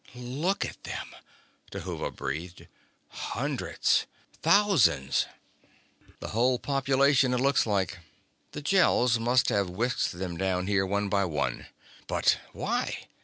"Look at them," Dhuva breathed. "Hundreds ... thousands ..." "The whole population, it looks like. The Gels must have whisked them down here one by one." "But why?"